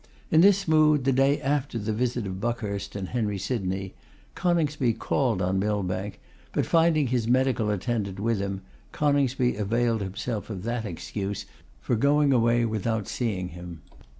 In this mood, the day after the visit of Buckhurst and Henry Sydney, Coningsby called on Millbank, but finding his medical attendant with him, Coningsby availed himself of that excuse for going away without seeing him.